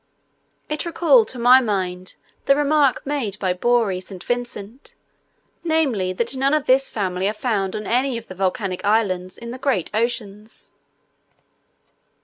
It recalled to my mind the remark made by Bory St. Vincent, namely, that none of this family are found on any of the volcanic islands in the great oceans.